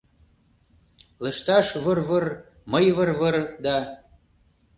Лышташ «выр-выр», мый «выр-выр» да.